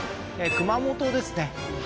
熊本ですね